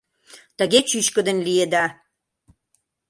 Тыге чӱчкыдын лиеда.